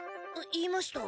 言いました。